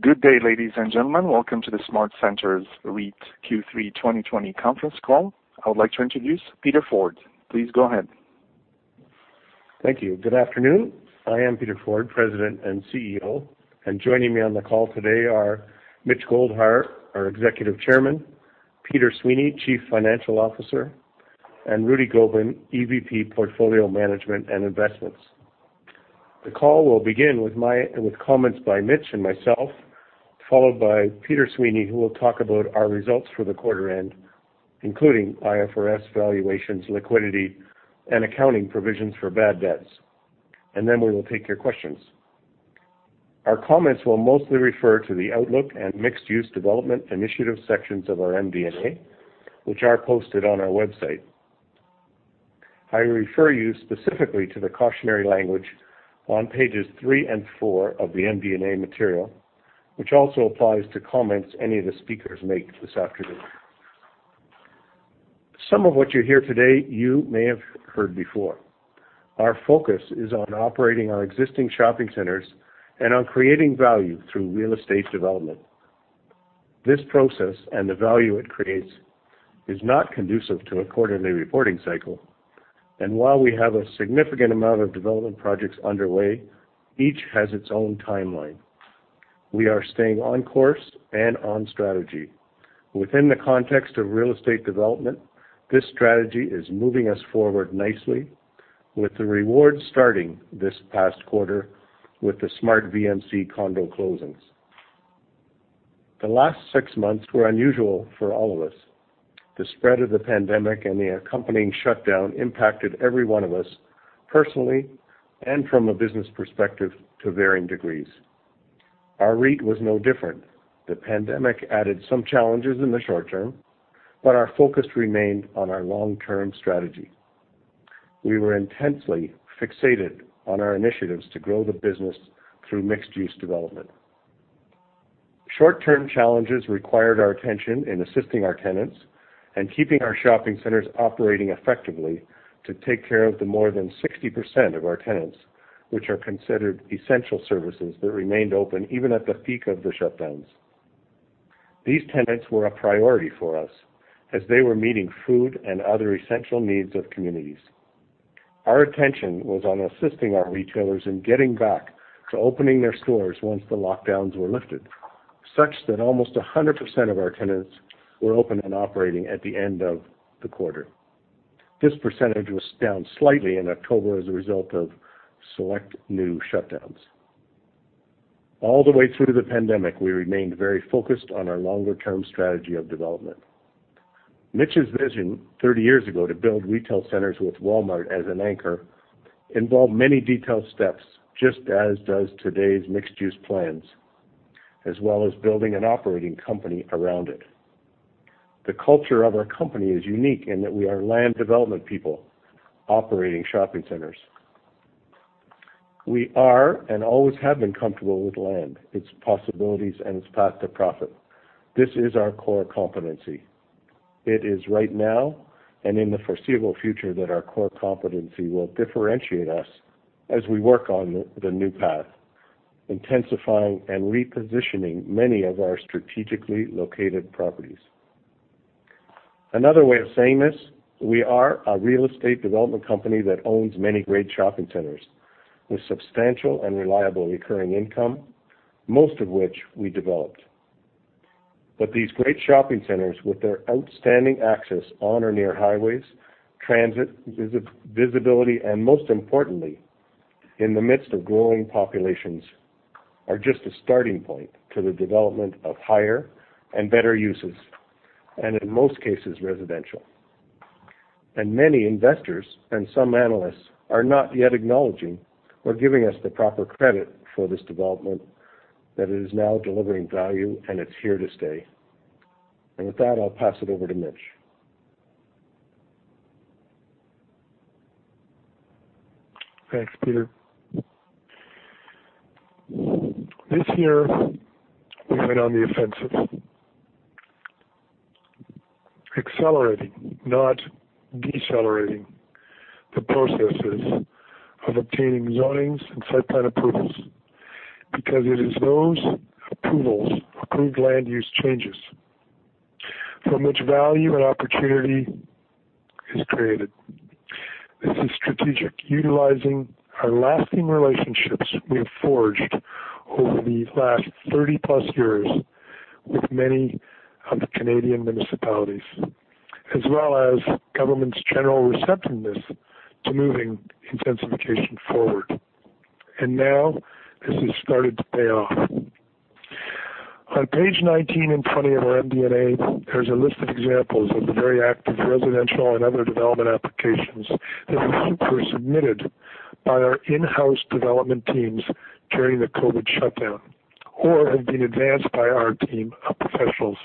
Good day, ladies and gentlemen. Welcome to the SmartCentres REIT Q3 2020 conference call. I would like to introduce Peter Forde. Please go ahead. Thank you. Good afternoon. I am Peter Forde, President and CEO, and joining me on the call today are Mitch Goldhar, our Executive Chairman, Peter Sweeney, Chief Financial Officer, and Rudy Gobin, EVP, Portfolio Management and Investments. The call will begin with comments by Mitch and myself, followed by Peter Sweeney, who will talk about our results for the quarter end, including IFRS valuations, liquidity, and accounting provisions for bad debts. We will take your questions. Our comments will mostly refer to the outlook and mixed-use development initiative sections of our MD&A, which are posted on our website. I refer you specifically to the cautionary language on pages three and four of the MD&A material, which also applies to comments any of the speakers make this afternoon. Some of what you hear today, you may have heard before. Our focus is on operating our existing shopping centers and on creating value through real estate development. This process and the value it creates is not conducive to a quarterly reporting cycle, and while we have a significant amount of development projects underway, each has its own timeline. We are staying on course and on strategy. Within the context of real estate development, this strategy is moving us forward nicely with the reward starting this past quarter with the SmartVMC condo closings. The last six months were unusual for all of us. The spread of the pandemic and the accompanying shutdown impacted every one of us personally and from a business perspective to varying degrees. Our REIT was no different. The pandemic added some challenges in the short term, but our focus remained on our long-term strategy. We were intensely fixated on our initiatives to grow the business through mixed-use development. Short-term challenges required our attention in assisting our tenants and keeping our shopping centers operating effectively to take care of the more than 60% of our tenants, which are considered essential services that remained open even at the peak of the shutdowns. These tenants were a priority for us as they were meeting food and other essential needs of communities. Our attention was on assisting our retailers in getting back to opening their stores once the lockdowns were lifted, such that almost 100% of our tenants were open and operating at the end of the quarter. This percentage was down slightly in October as a result of select new shutdowns. All the way through the pandemic, we remained very focused on our longer-term strategy of development. Mitch's vision 30 years ago to build retail centers with Walmart as an anchor involved many detailed steps, just as does today's mixed-use plans, as well as building an operating company around it. The culture of our company is unique in that we are land development people operating shopping centers. We are and always have been comfortable with land, its possibilities, and its path to profit. This is our core competency. It is right now and in the foreseeable future that our core competency will differentiate us as we work on the new path, intensifying and repositioning many of our strategically located properties. Another way of saying this, we are a real estate development company that owns many great shopping centers with substantial and reliable recurring income, most of which we developed. These great shopping centers with their outstanding access on or near highways, transit, visibility, and most importantly, in the midst of growing populations, are just a starting point to the development of higher and better uses, and in most cases, residential. Many investors and some analysts are not yet acknowledging or giving us the proper credit for this development that is now delivering value and it's here to stay. With that, I'll pass it over to Mitch. Thanks, Peter. This year, we went on the offensive. Accelerating, not decelerating the processes of obtaining zonings and site plan approvals because it is those approvals, approved land use changes from which value and opportunity is created. This is strategic, utilizing our lasting relationships we have forged over the last 30+years with many of the Canadian municipalities, as well as government's general receptiveness to moving intensification forward. Now this has started to pay off. On page 19 and 20 of our MD&A, there's a list of examples of the very active residential and other development applications that were submitted by our in-house development teams during the COVID shutdown, or have been advanced by our team of professionals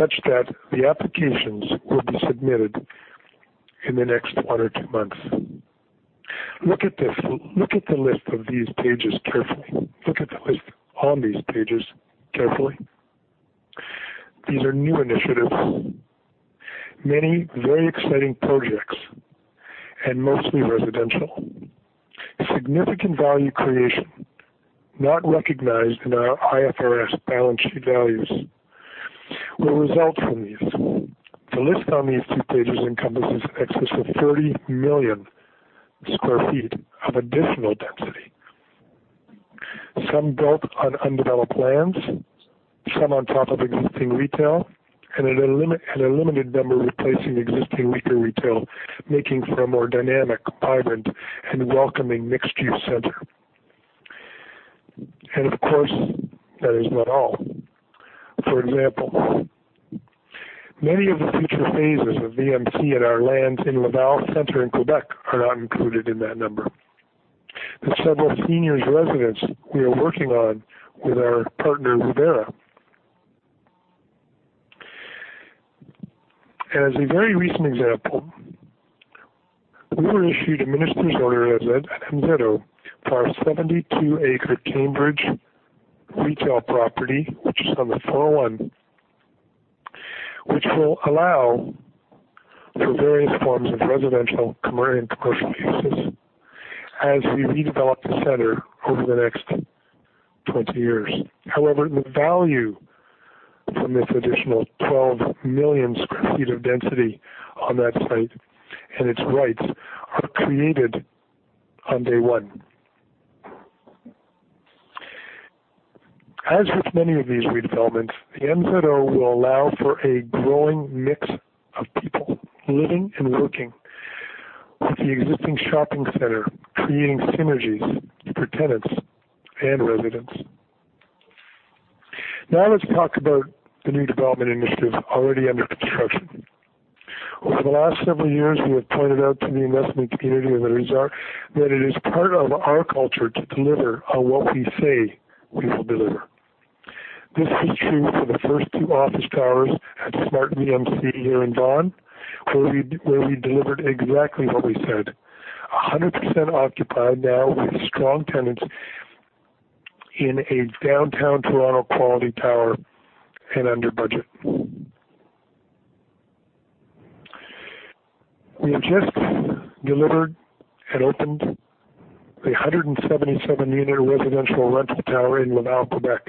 such that the applications will be submitted in the next one or two months. Look at the list of these pages carefully. Look at the list on these pages carefully. These are new initiatives, many very exciting projects, mostly residential. Significant value creation, not recognized in our IFRS balance sheet values, will result from these. The list on these two pages encompasses in excess of 30 million sq ft of additional density. Some built on undeveloped lands, some on top of existing retail, a limited number replacing existing weaker retail, making for a more dynamic, vibrant, and welcoming mixed-use center. Of course, that is not all. For example, many of the future phases of VMC at our lands in Laval Centre in Quebec are not included in that number, the several seniors residence we are working on with our partner, Revera. As a very recent example, we were issued a Minister's Zoning Order, an MZO, for our 72 acre Cambridge retail property, which is on the 401, which will allow for various forms of residential and commercial uses as we redevelop the center over the next 20 years. However, the value from this additional 12 million sq ft of density on that site and its rights are created on day one. As with many of these redevelopments, the MZO will allow for a growing mix of people living and working with the existing shopping center, creating synergies for tenants and residents. Now let's talk about the new development initiatives already under construction. Over the last several years, we have pointed out to the investment community and others that it is part of our culture to deliver on what we say we will deliver. This is true for the first two office towers at SmartVMC here in Vaughan, where we delivered exactly what we said. 100% occupied now with strong tenants in a downtown Toronto quality tower and under budget. We have just delivered and opened the 177 unit residential rental tower in Laval, Quebec,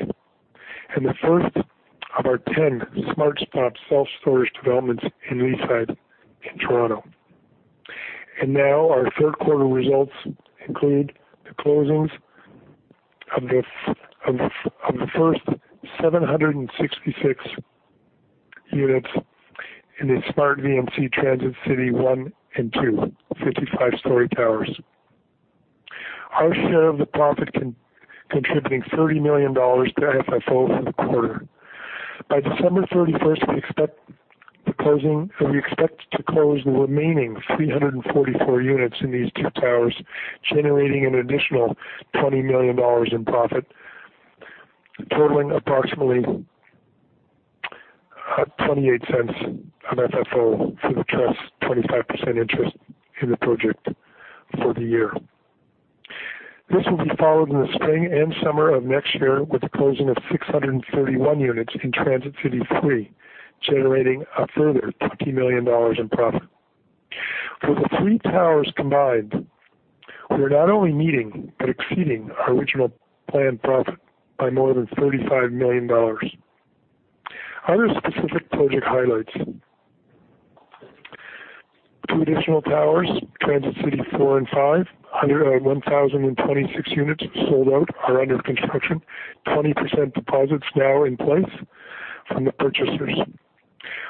and the first of our 10 SmartStop Self Storage developments in Leaside in Toronto. Now our third quarter results include the closings of the first 766 units in the SmartVMC Transit City 1 and 2, 55-story towers. Our share of the profit contributing 30 million dollars to FFO for the quarter. By December 31st, we expect to close the remaining 344 units in these two towers, generating an additional 20 million dollars in profit, totaling approximately 0.28 on FFO for the Trust's 25% interest in the project for the year. This will be followed in the spring and summer of next year with the closing of 631 units in Transit City 3, generating a further 20 million dollars in profit. For the three towers combined, we're not only meeting but exceeding our original planned profit by more than 35 million dollars. Other specific project highlights. Two additional towers, Transit City 4 and 5, 1,026 units sold out, are under construction. 20% deposits now in place from the purchasers.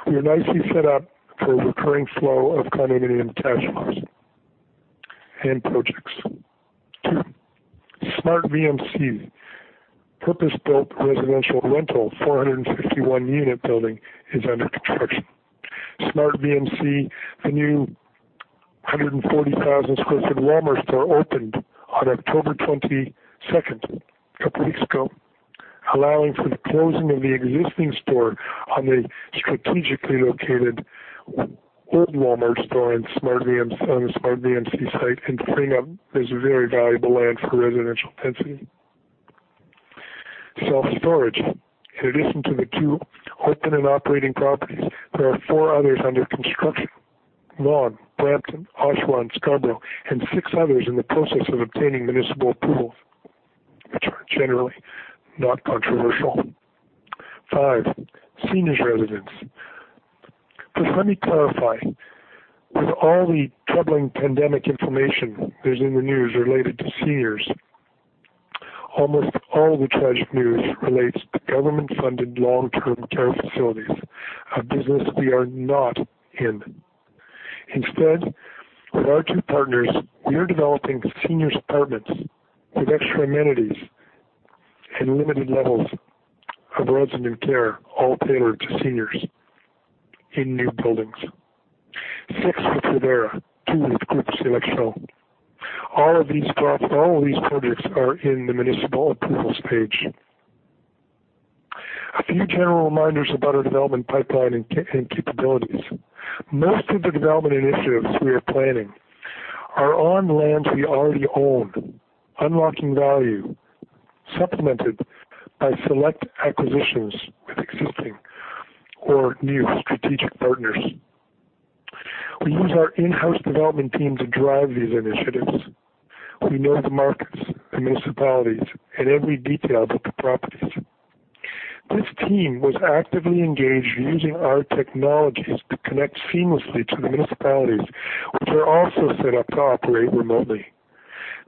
We are nicely set up for a recurring flow of condominium cash flows and projects. Two, SmartVMC. Purpose-built residential rental, 451 unit building is under construction. SmartVMC, the new 140,000-sq ft Walmart store opened on October 22nd, a couple of weeks ago, allowing for the closing of the existing store on the strategically located old Walmart store on the SmartVMC site and freeing up this very valuable land for residential density. Self-storage. In addition to the two open and operating properties, there are four others under construction. Vaughan, Brampton, Oshawa, and Scarborough, and six others in the process of obtaining municipal approvals, which are generally not controversial. Five, seniors residence. First, let me clarify. With all the troubling pandemic information there is in the news related to seniors, almost all the tragic news relates to government-funded long-term care facilities, a business we are not in. Instead, with our two partners, we are developing seniors apartments with extra amenities and limited levels of resident care, all tailored to seniors in new buildings. Six with Revera, two with Groupe Sélection. All of these projects are in the municipal approvals stage. A few general reminders about our development pipeline and capabilities. Most of the development initiatives we are planning are on lands we already own, unlocking value, supplemented by select acquisitions with existing or new strategic partners. We use our in-house development team to drive these initiatives. We know the markets, the municipalities, and every detail of the properties. This team was actively engaged in using our technologies to connect seamlessly to the municipalities, which are also set up to operate remotely.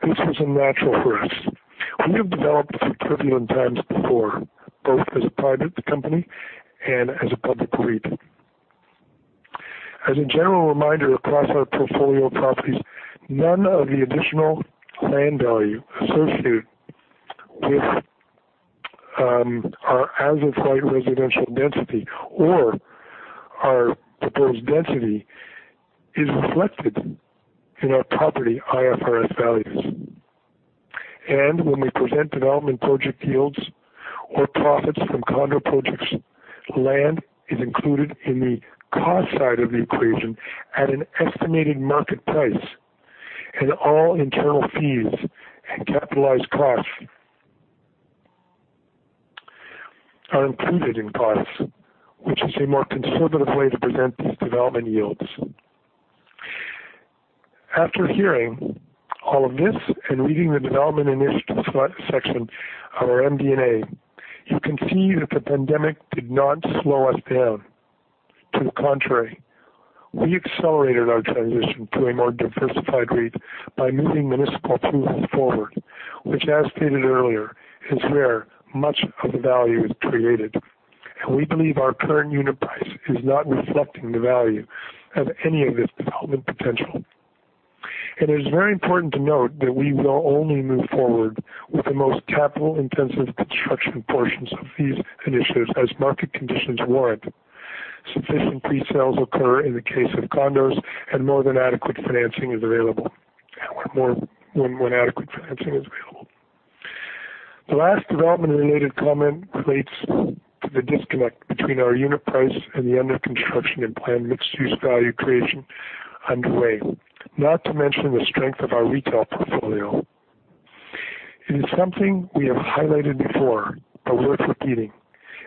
This was a natural for us. We have developed through turbulent times before, both as a private company and as a public REIT. As a general reminder across our portfolio properties, none of the additional land value associated with our as-of-right residential density or our proposed density is reflected in our property IFRS values. When we present development project yields or profits from condo projects, land is included in the cost side of the equation at an estimated market price, and all internal fees and capitalized costs are included in costs, which is a more conservative way to present these development yields. After hearing all of this and reading the development initiatives section of our MD&A, you can see that the pandemic did not slow us down. To the contrary, we accelerated our transition to a more diversified REIT by moving municipal approvals forward, which as stated earlier, is where much of the value is created. We believe our current unit price is not reflecting the value of any of this development potential. It is very important to note that we will only move forward with the most capital-intensive construction portions of these initiatives as market conditions warrant. Sufficient pre-sales occur in the case of condos and more than adequate financing is available, and when adequate financing is available. The last development-related comment relates to the disconnect between our unit price and the under-construction and planned mixed-use value creation underway, not to mention the strength of our retail portfolio. It is something we have highlighted before but worth repeating.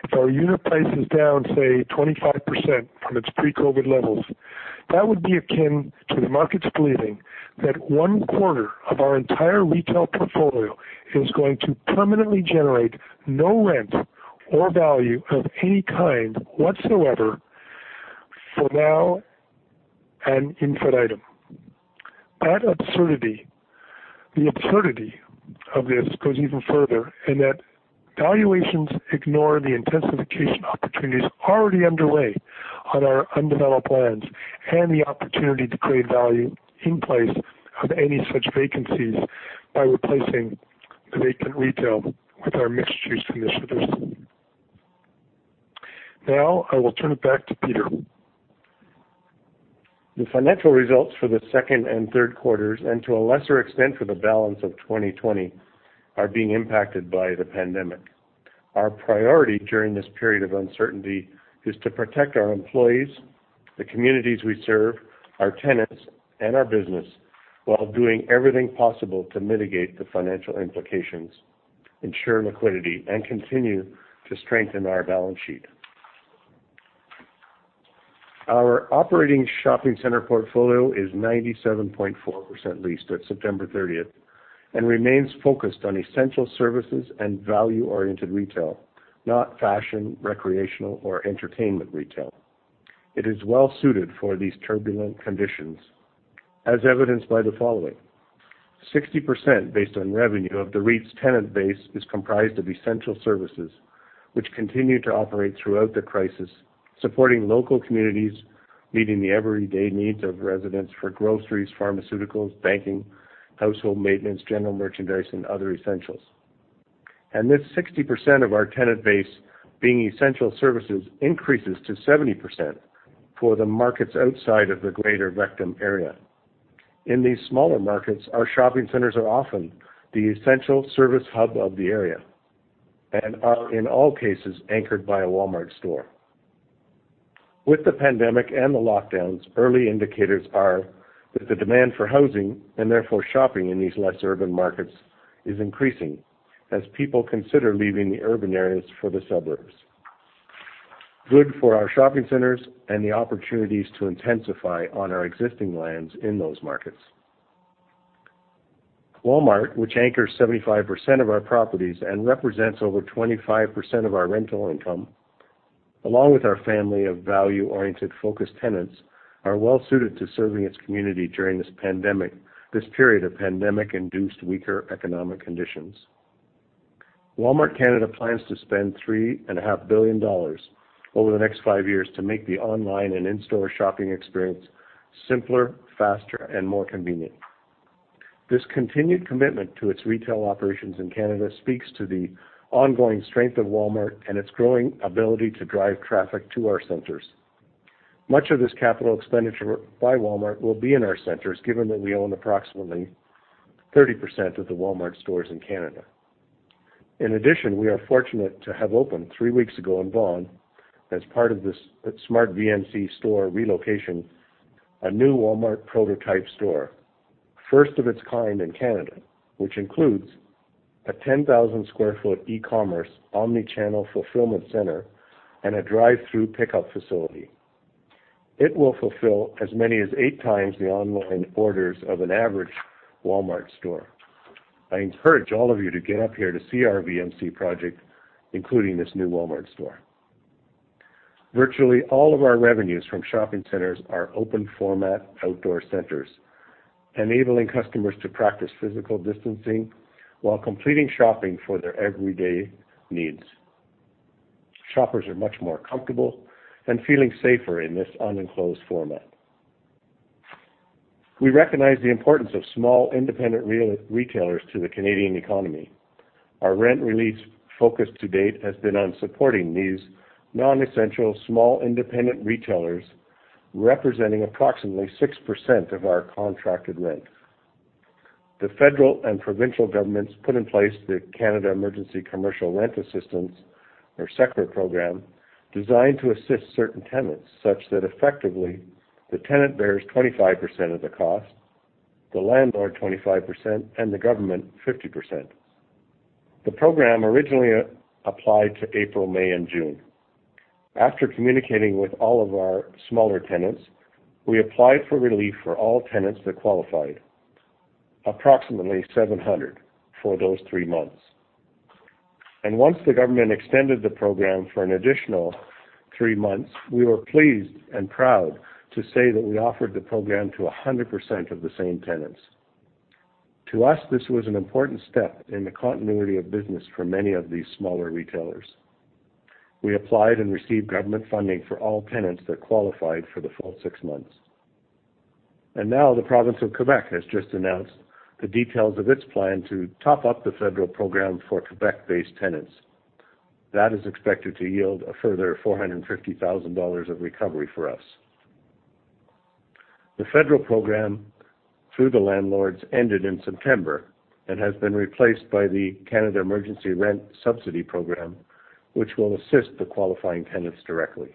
If our unit price is down, say, 25% from its pre-COVID levels, that would be akin to the markets believing that one quarter of our entire retail portfolio is going to permanently generate no rent or value of any kind whatsoever for now ad infinitum. The absurdity of this goes even further in that valuations ignore the intensification opportunities already underway on our undeveloped lands and the opportunity to create value in place of any such vacancies by replacing the vacant retail with our mixed-use initiatives. Now, I will turn it back to Peter. The financial results for the second and third quarters, and to a lesser extent for the balance of 2020, are being impacted by the pandemic. Our priority during this period of uncertainty is to protect our employees, the communities we serve, our tenants, and our business while doing everything possible to mitigate the financial implications, ensure liquidity, and continue to strengthen our balance sheet. Our operating shopping center portfolio is 97.4% leased at September 30th and remains focused on essential services and value-oriented retail, not fashion, recreational, or entertainment retail. It is well suited for these turbulent conditions, as evidenced by the following. 60%, based on revenue of the REIT's tenant base, is comprised of essential services, which continue to operate throughout the crisis, supporting local communities, meeting the everyday needs of residents for groceries, pharmaceuticals, banking, household maintenance, general merchandise, and other essentials. This 60% of our tenant base being essential services increases to 70% for the markets outside of the Greater Toronto Area. In these smaller markets, our shopping centers are often the essential service hub of the area and are, in all cases, anchored by a Walmart store. With the pandemic and the lockdowns, early indicators are that the demand for housing and therefore shopping in these less urban markets is increasing as people consider leaving the urban areas for the suburbs. Good for our shopping centers and the opportunities to intensify on our existing lands in those markets. Walmart, which anchors 75% of our properties and represents over 25% of our rental income, along with our family of value-oriented focused tenants, are well suited to serving its community during this period of pandemic-induced weaker economic conditions. Walmart Canada plans to spend 3.5 billion dollars over the next five years to make the online and in-store shopping experience simpler, faster, and more convenient. This continued commitment to its retail operations in Canada speaks to the ongoing strength of Walmart and its growing ability to drive traffic to our centers. Much of this capital expenditure by Walmart will be in our centers, given that we own approximately 30% of the Walmart stores in Canada. In addition, we are fortunate to have opened three weeks ago in Vaughan, as part of the SmartVMC store relocation, a new Walmart prototype store, first of its kind in Canada, which includes a 10,000 square foot e-commerce omni-channel fulfillment center and a drive-through pickup facility. It will fulfill as many as eight times the online orders of an average Walmart store. I encourage all of you to get up here to see our VMC project, including this new Walmart store. Virtually all of our revenues from shopping centers are open format outdoor centers, enabling customers to practice physical distancing while completing shopping for their everyday needs. Shoppers are much more comfortable and feeling safer in this unenclosed format. We recognize the importance of small, independent retailers to the Canadian economy. Our rent release focus to date has been on supporting these non-essential, small independent retailers, representing approximately 6% of our contracted rent. The federal and provincial governments put in place the Canada Emergency Commercial Rent Assistance, or CECRA program, designed to assist certain tenants such that effectively the tenant bears 25% of the cost, the landlord 25%, and the government 50%. The program originally applied to April, May, and June. After communicating with all of our smaller tenants, we applied for relief for all tenants that qualified. Approximately 700 for those three months. Once the government extended the program for an additional three months, we were pleased and proud to say that we offered the program to 100% of the same tenants. To us, this was an important step in the continuity of business for many of these smaller retailers. We applied and received government funding for all tenants that qualified for the full six months. Now the province of Quebec has just announced the details of its plan to top up the federal program for Quebec-based tenants. That is expected to yield a further 450,000 dollars of recovery for us. The federal program through the landlords ended in September and has been replaced by the Canada Emergency Rent Subsidy program, which will assist the qualifying tenants directly.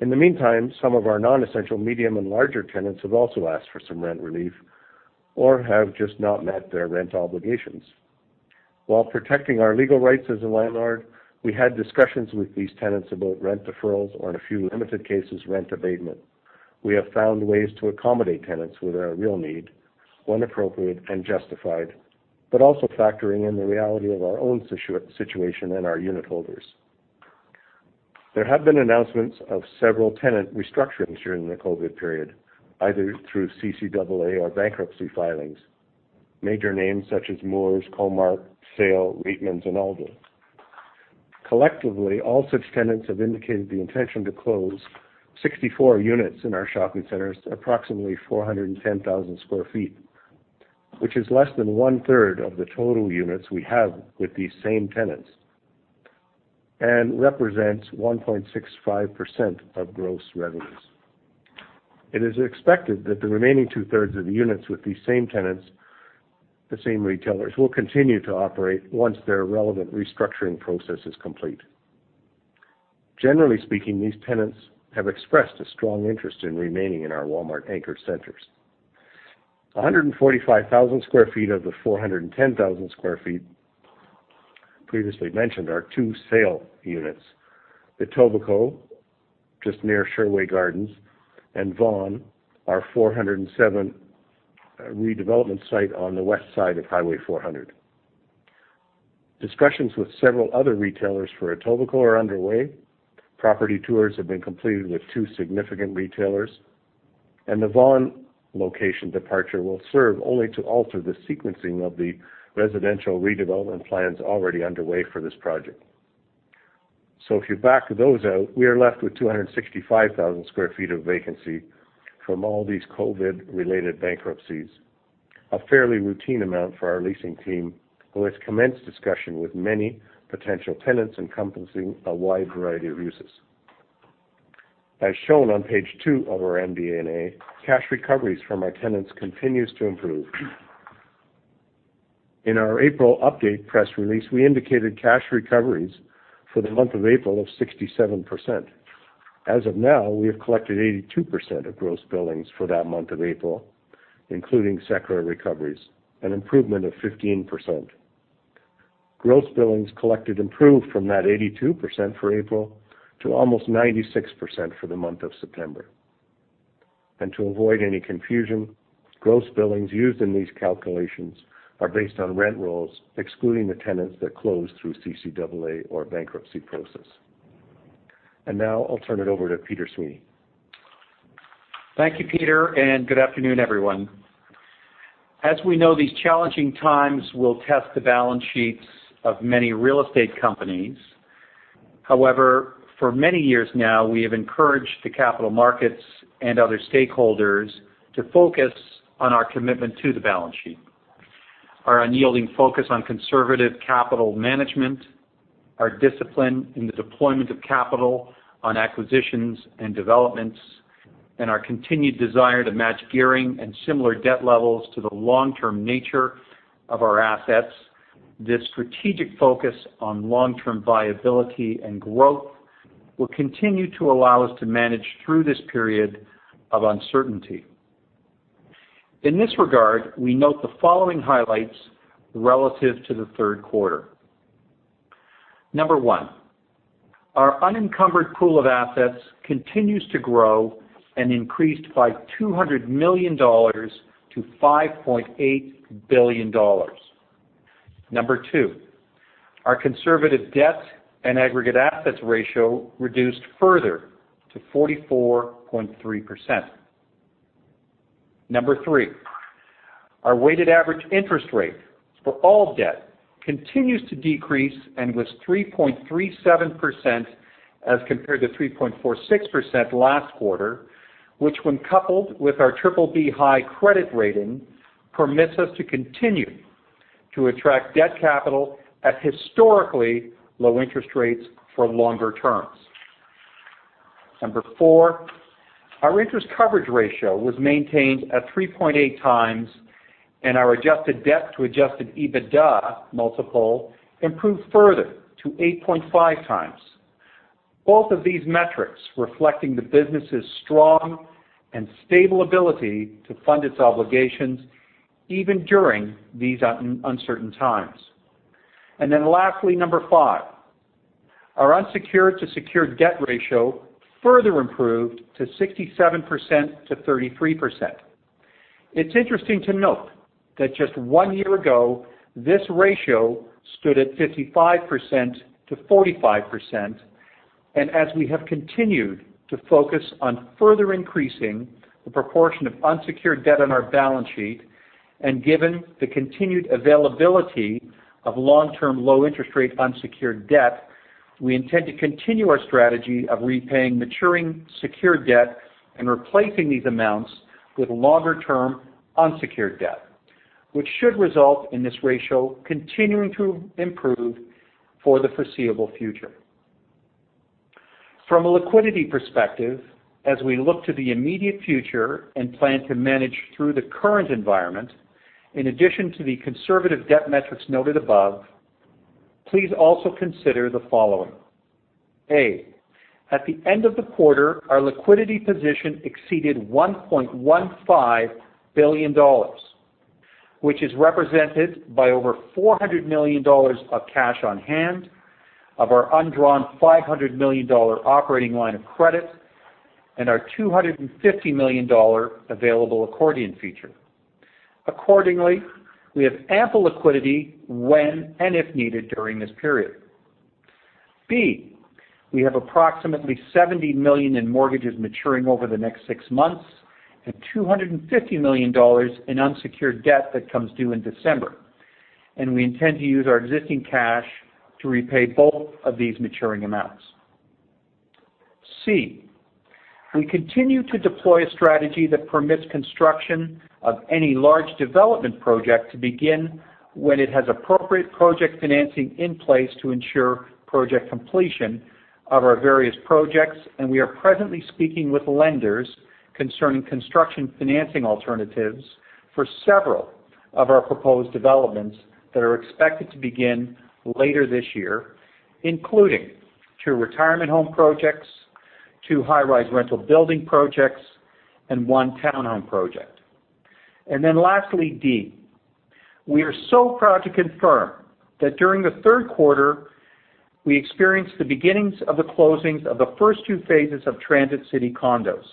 In the meantime, some of our non-essential medium and larger tenants have also asked for some rent relief or have just not met their rent obligations. While protecting our legal rights as a landlord, we had discussions with these tenants about rent deferrals or in a few limited cases, rent abatement. We have found ways to accommodate tenants with a real need when appropriate and justified, but also factoring in the reality of our own situation and our unitholders. There have been announcements of several tenant restructurings during the COVID-19 period, either through CCAA or bankruptcy filings. Major names such as Moores, Comark, Sail, Reitmans, and Aldo. Collectively, all such tenants have indicated the intention to close 64 units in our shopping centers, approximately 410,000 sq ft, which is less than 1/3 of the total units we have with these same tenants and represents 1.65% of gross revenues. It is expected that the remaining 2/3 of the units with these same retailers will continue to operate once their relevant restructuring process is complete. Generally speaking, these tenants have expressed a strong interest in remaining in our Walmart anchor centers. 145,000 sq ft of the 410,000 sq ft previously mentioned are two Sail units. Etobicoke, just near Sherway Gardens, and Vaughan, our 407 redevelopment site on the west side of Highway 400. Discussions with several other retailers for Etobicoke are underway. Property tours have been completed with two significant retailers, and the Vaughan location departure will serve only to alter the sequencing of the residential redevelopment plans already underway for this project. If you back those out, we are left with 265,000 sq ft of vacancy from all these COVID-related bankruptcies, a fairly routine amount for our leasing team, who has commenced discussion with many potential tenants encompassing a wide variety of uses. As shown on page two of our MD&A, cash recoveries from our tenants continues to improve. In our April update press release, we indicated cash recoveries for the month of April of 67%. As of now, we have collected 82% of gross billings for that month of April, including CECRA recoveries, an improvement of 15%. Gross billings collected improved from that 82% for April to almost 96% for the month of September. To avoid any confusion, gross billings used in these calculations are based on rent rolls, excluding the tenants that closed through CCAA or bankruptcy process. Now I'll turn it over to Peter Sweeney. Thank you, Peter. Good afternoon, everyone. As we know, these challenging times will test the balance sheets of many real estate companies. For many years now, we have encouraged the capital markets and other stakeholders to focus on our commitment to the balance sheet. Our unyielding focus on conservative capital management. Our discipline in the deployment of capital on acquisitions and developments, and our continued desire to match gearing and similar debt levels to the long-term nature of our assets. This strategic focus on long-term viability and growth will continue to allow us to manage through this period of uncertainty. In this regard, we note the following highlights relative to the third quarter. Number one, our unencumbered pool of assets continues to grow and increased by 200 million-5.8 billion dollars. Number two, our conservative debt and aggregate assets ratio reduced further to 44.3%. Number three, our weighted average interest rate for all debt continues to decrease and was 3.37% as compared to 3.46% last quarter, which when coupled with our BBB (high) credit rating, permits us to continue to attract debt capital at historically low interest rates for longer terms. Number four, our interest coverage ratio was maintained at 3.8x, our adjusted debt to Adjusted EBITDA multiple improved further to 8.5x. Both of these metrics reflecting the business's strong and stable ability to fund its obligations even during these uncertain times. Lastly, number five, our unsecured to secured debt ratio further improved to 67%-33%. It is interesting to note that just one year ago, this ratio stood at 55%-45%. As we have continued to focus on further increasing the proportion of unsecured debt on our balance sheet, and given the continued availability of long-term, low-interest rate unsecured debt, we intend to continue our strategy of repaying maturing secured debt and replacing these amounts with longer-term unsecured debt, which should result in this ratio continuing to improve for the foreseeable future. From a liquidity perspective, as we look to the immediate future and plan to manage through the current environment, in addition to the conservative debt metrics noted above, please also consider the following. A, at the end of the quarter, our liquidity position exceeded 1.15 billion dollars, which is represented by over 400 million dollars of cash on hand of our undrawn 500 million dollar operating line of credit and our 250 million dollar available accordion feature. We have ample liquidity when and if needed during this period. B, we have approximately 70 million in mortgages maturing over the next six months, and 250 million dollars in unsecured debt that comes due in December. We intend to use our existing cash to repay both of these maturing amounts. C, we continue to deploy a strategy that permits construction of any large development project to begin when it has appropriate project financing in place to ensure project completion of our various projects, and we are presently speaking with lenders concerning construction financing alternatives for several of our proposed developments that are expected to begin later this year, including two retirement home projects, two high-rise rental building projects, and one townhome project. Then lastly, D, we are so proud to confirm that during the third quarter, we experienced the beginnings of the closings of the first two phases of Transit City condos.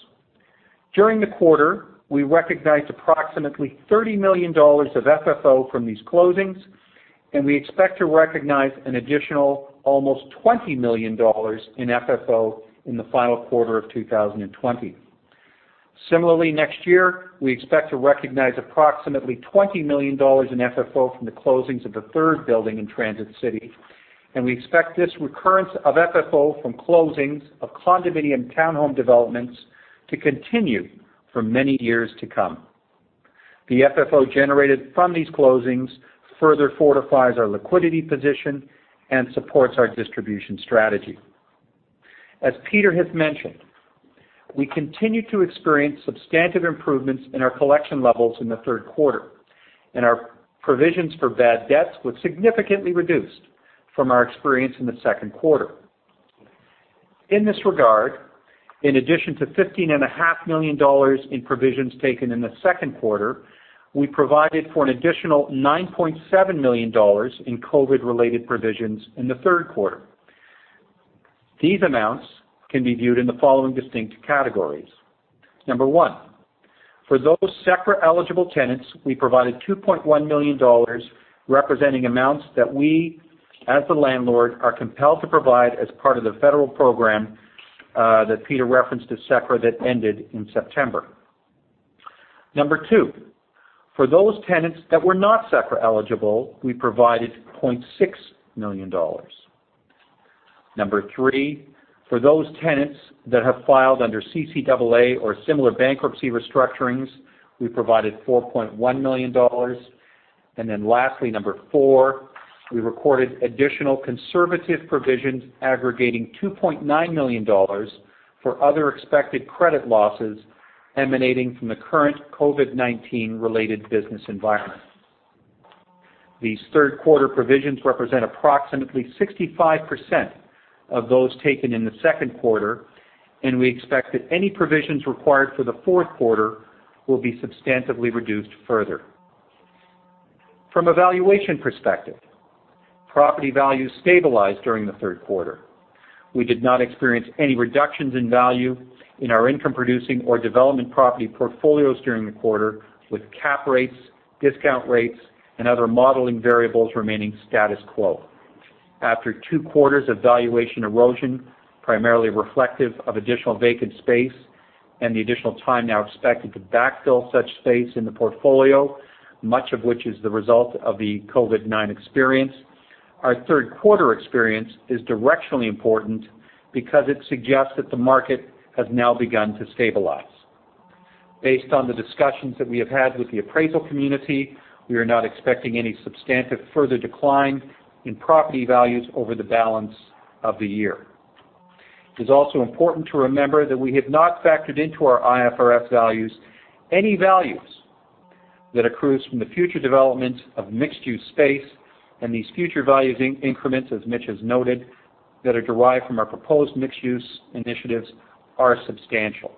During the quarter, we recognized approximately 30 million dollars of FFO from these closings, and we expect to recognize an additional almost 20 million dollars in FFO in the final quarter of 2020. Similarly, next year, we expect to recognize approximately 20 million dollars in FFO from the closings of the third building in Transit City, and we expect this recurrence of FFO from closings of condominium townhome developments to continue for many years to come. The FFO generated from these closings further fortifies our liquidity position and supports our distribution strategy. As Peter has mentioned, we continue to experience substantive improvements in our collection levels in the third quarter, and our provisions for bad debts was significantly reduced from our experience in the second quarter. In this regard, in addition to 15.5 million dollars in provisions taken in the second quarter, we provided for an additional 9.7 million dollars in COVID-19 related provisions in the third quarter. These amounts can be viewed in the following distinct categories. Number one, for those CECRA-eligible tenants, we provided 2.1 million dollars, representing amounts that we, as the landlord, are compelled to provide as part of the federal program, that Peter referenced to CECRA that ended in September. Number two, for those tenants that were not CECRA eligible, we provided 0.6 million dollars. Number three, for those tenants that have filed under CCAA or similar bankruptcy restructurings, we provided 4.1 million dollars. Lastly, Number four, we recorded additional conservative provisions aggregating 2.9 million dollars for other expected credit losses emanating from the current COVID-19 related business environment. These third quarter provisions represent approximately 65% of those taken in the second quarter. We expect that any provisions required for the fourth quarter will be substantively reduced further. From a valuation perspective, property values stabilized during the third quarter. We did not experience any reductions in value in our income-producing or development property portfolios during the quarter with cap rates, discount rates, and other modeling variables remaining status quo. After two quarters of valuation erosion, primarily reflective of additional vacant space and the additional time now expected to backfill such space in the portfolio, much of which is the result of the COVID-19 experience. Our third quarter experience is directionally important because it suggests that the market has now begun to stabilize. Based on the discussions that we have had with the appraisal community, we are not expecting any substantive further decline in property values over the balance of the year. It is also important to remember that we have not factored into our IFRS values any values that accrues from the future development of mixed-use space, and these future value increments, as Mitch has noted, that are derived from our proposed mixed-use initiatives, are substantial.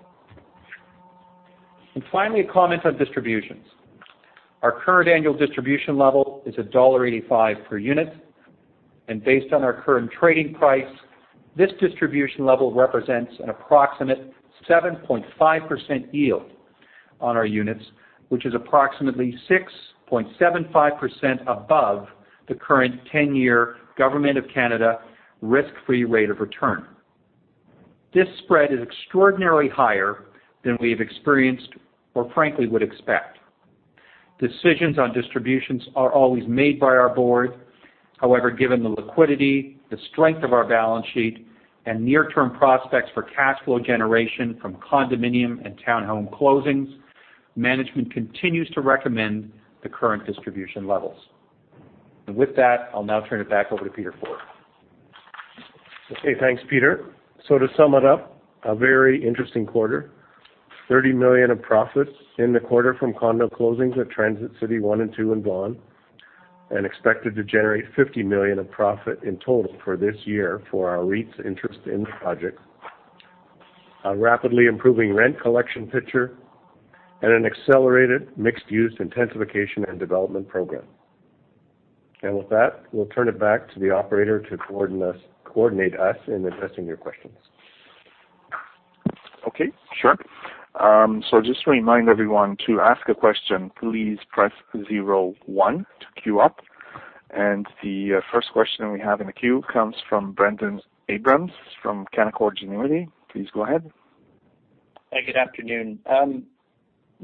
Finally, a comment on distributions. Our current annual distribution level is dollar 1.85 per unit, and based on our current trading price, this distribution level represents an approximate 7.5% yield on our units, which is approximately 6.75% above the current 10-year government of Canada risk-free rate of return. This spread is extraordinarily higher than we have experienced, or frankly would expect. Decisions on distributions are always made by our board. Given the liquidity, the strength of our balance sheet, and near-term prospects for cash flow generation from condominium and town home closings, management continues to recommend the current distribution levels. With that, I'll now turn it back over to Peter Forde. Okay, thanks, Peter. To sum it up, a very interesting quarter. 30 million of profits in the quarter from condo closings at Transit City 1 and 2 in Vaughan, and expected to generate 50 million of profit in total for this year for our REIT's interest in the project. A rapidly improving rent collection picture and an accelerated mixed use intensification and development program. With that, we'll turn it back to the operator to coordinate us in addressing your questions. Okay, sure. Just to remind everyone, to ask a question, please press zero one to queue up. The first question we have in the queue comes from Brendon Abrams from Canaccord Genuity. Please go ahead. Hey, good afternoon.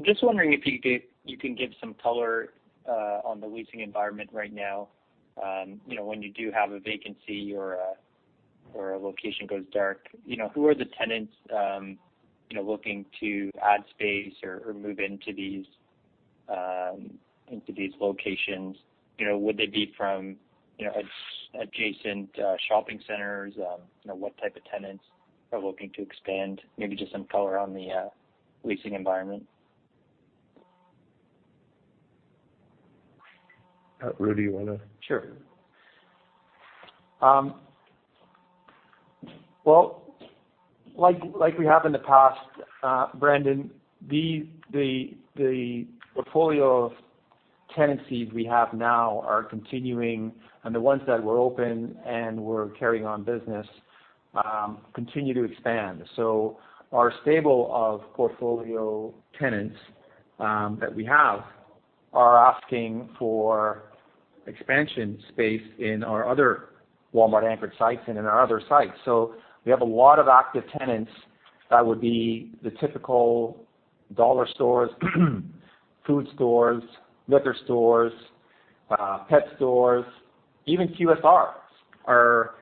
Just wondering if you can give some color on the leasing environment right now. When you do have a vacancy or a location goes dark, who are the tenants looking to add space or move into these locations? Would they be from adjacent shopping centers? What type of tenants are looking to expand? Maybe just some color on the leasing environment. Rudy, you want to? Sure. Well, like we have in the past, Brendon, the portfolio tenancies we have now are continuing, and the ones that were open and were carrying on business, continue to expand. Our stable of portfolio tenants that we have are asking for expansion space in our other Walmart anchored sites and in our other sites. We have a lot of active tenants that would be the typical dollar stores, food stores, liquor stores, pet stores. Even QSRs are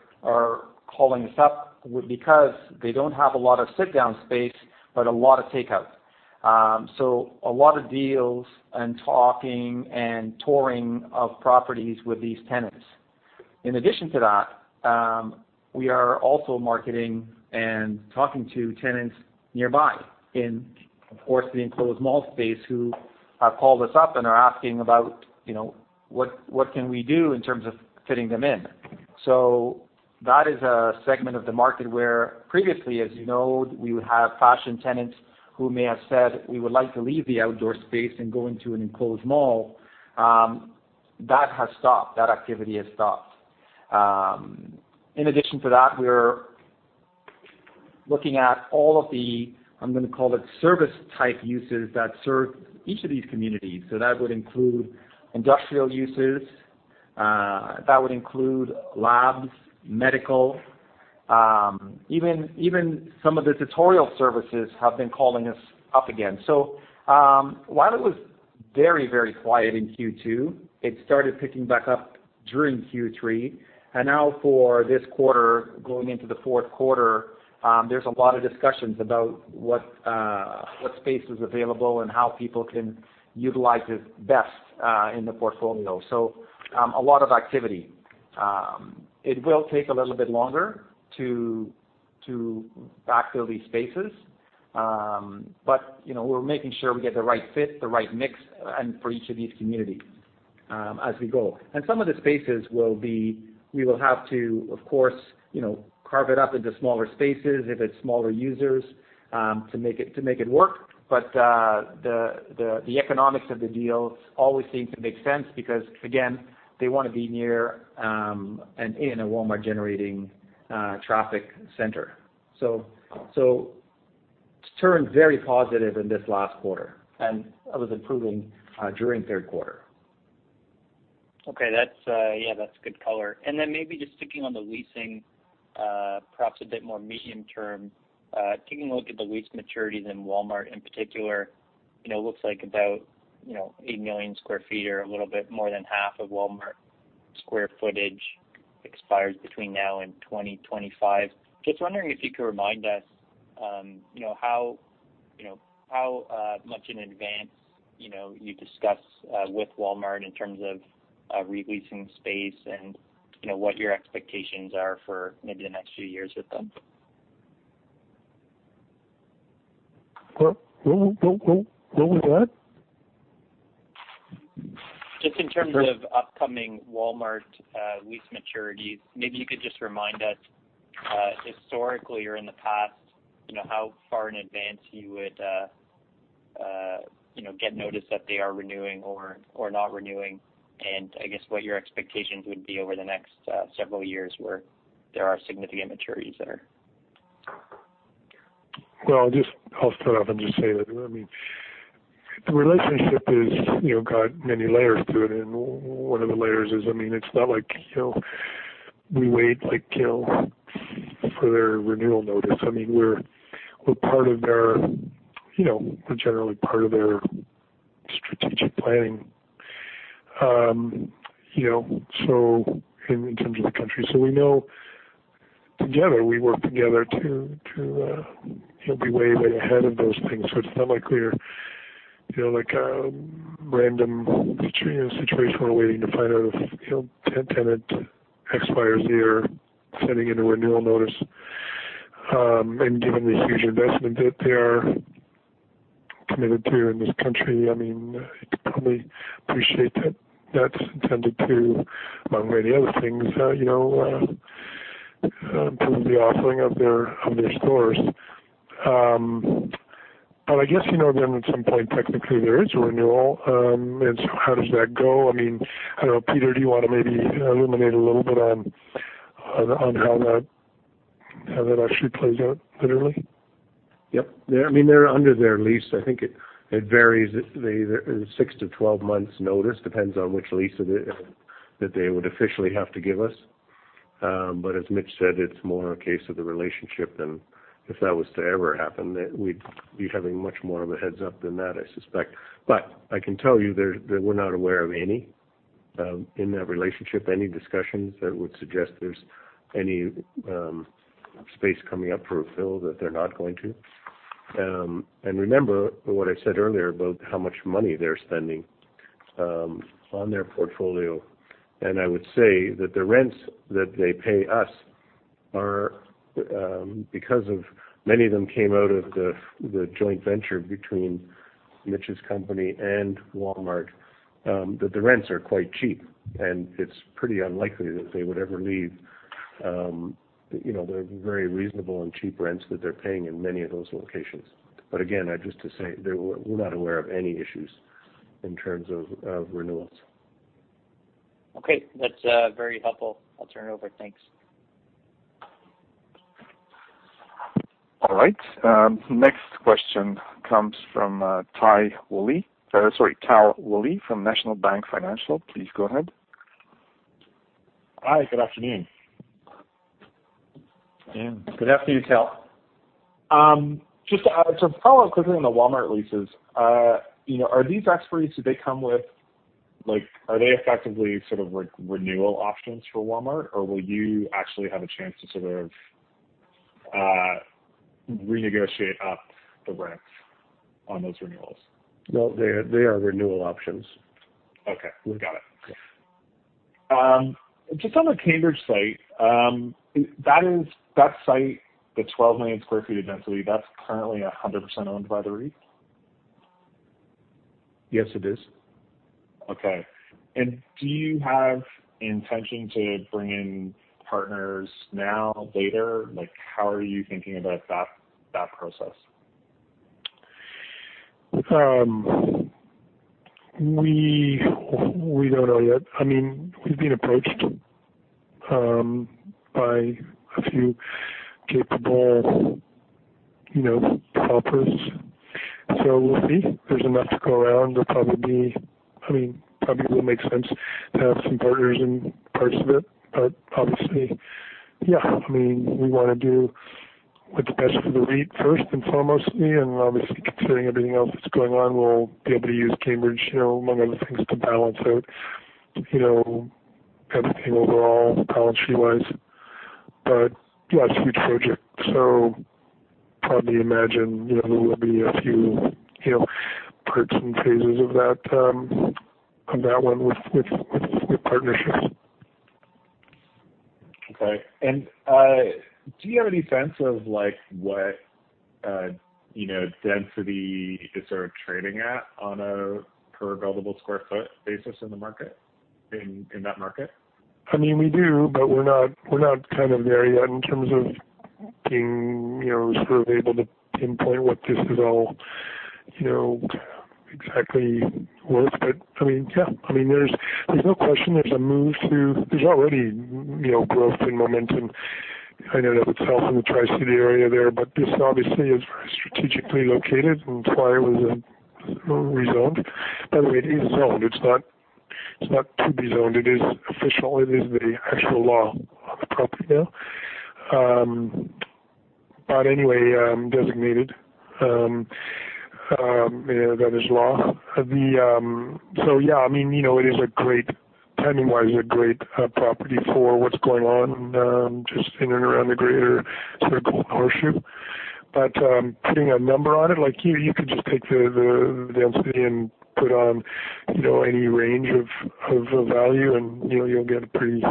calling us up because they don't have a lot of sit-down space, but a lot of takeout. A lot of deals and talking and touring of properties with these tenants. In addition to that, we are also marketing and talking to tenants nearby in, of course, the enclosed mall space who have called us up and are asking about what can we do in terms of fitting them in. That is a segment of the market where previously, as you know, we would have fashion tenants who may have said, "We would like to leave the outdoor space and go into an enclosed mall." That has stopped. That activity has stopped. In addition to that, we're looking at all of the, I'm going to call it service-type uses that serve each of these communities. That would include industrial uses. That would include labs, medical, even some of the tutorial services have been calling us up again. Very, very quiet in Q2. It started picking back up during Q3. Now for this quarter, going into the fourth quarter, there's a lot of discussions about what space is available and how people can utilize it best in the portfolio. A lot of activity. It will take a little bit longer to backfill these spaces. We're making sure we get the right fit, the right mix, and for each of these communities as we go. Some of the spaces we will have to, of course, carve it up into smaller spaces if it's smaller users, to make it work. The economics of the deals always seem to make sense because, again, they want to be near and in a Walmart-generating traffic center. It's turned very positive in this last quarter, and it was improving during third quarter. Okay. Yeah, that's good color. Maybe just sticking on the leasing, perhaps a bit more medium term. Taking a look at the lease maturities in Walmart in particular, it looks like about 8 million sq ft or a little bit more than half of Walmart square footage expires between now and 2025. Just wondering if you could remind us how much in advance you discuss with Walmart in terms of re-leasing space and what your expectations are for maybe the next few years with them. Well, go with that? Just in terms of upcoming Walmart lease maturities, maybe you could just remind us, historically or in the past, how far in advance you would get notice that they are renewing or not renewing. I guess what your expectations would be over the next several years, where there are significant maturities there. I'll start off and just say that, the relationship has got many layers to it, and one of the layers is, it's not like we wait like till for their renewal notice. We're generally part of their strategic planning in terms of the country. We know together, we work together to be way ahead of those things. It's not like we're like a random situation. We're waiting to find out if tenant expires year, sending in a renewal notice. Given the huge investment that they are committed to in this country, it's probably appreciate that's intended to, among many other things, improve the offering of their stores. I guess, then at some point, technically, there is a renewal. How does that go? I don't know, Peter, do you want to maybe illuminate a little bit on how that actually plays out literally? Yep. They're under their lease. I think it varies. 6-12 months notice, depends on which lease that they would officially have to give us. As Mitch said, it's more a case of the relationship than if that was to ever happen, that we'd be having much more of a heads-up than that, I suspect. I can tell you that we're not aware of any, in that relationship, any discussions that would suggest there's any space coming up for refill that they're not going to. Remember what I said earlier about how much money they're spending on their portfolio, and I would say that the rents that they pay us are because of many of them came out of the joint venture between Mitch's company and Walmart, that the rents are quite cheap, and it's pretty unlikely that they would ever leave. They're very reasonable and cheap rents that they're paying in many of those locations. Again, just to say, we're not aware of any issues in terms of renewals. Okay. That's very helpful. I'll turn it over. Thanks. All right. Next question comes from Tal Woolley. Sorry, Tal Woolley from National Bank Financial. Please go ahead. Hi, good afternoon. Good afternoon, Tal. Just to follow up quickly on the Walmart leases. Are these expiries, do they come with, are they effectively sort of like renewal options for Walmart, or will you actually have a chance to sort of renegotiate up the rents on those renewals? No, they are renewal options. Okay. We got it. Yeah. Just on the Cambridge site, that site, the 12 million sq ft of density, that's currently 100% owned by the REIT? Yes, it is. Okay. Do you have intention to bring in partners now, later? How are you thinking about that process? We don't know yet. We've been approached by a few capable partners. We'll see. There's enough to go around. There'll probably be. It probably will make sense to have some partners in parts of it. Obviously, we want to do what's best for the REIT first and foremost. Obviously considering everything else that's going on, we'll be able to use Cambridge, among other things, to balance out everything overall, policy-wise. Yeah, it's a huge project, so probably imagine there will be a few parts and phases of that one with partnerships. Okay. Do you have any sense of what density it's trading at on a per available square foot basis in that market? We do, we're not there yet in terms of being able to pinpoint what this is all exactly worth. There's no question there's a move, there's already growth and momentum in and of itself in the Tri-Cities area there, but this obviously is very strategically located and that's why it was re-zoned. By the way, it is zoned. It's not to be zoned. It is official. It is the actual law of the property now. Anyway, designated. That is law. Yeah, timing-wise, it is a great property for what's going on just in and around the greater Golden Horseshoe. Putting a number on it, you could just take the density and put on any range of value, and you won't get a pretty